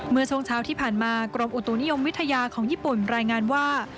เมื่อช่วงเช้าที่ผ่านมากรมอุตุนิยมวิทยาของญี่ปุ่นรายงานว่า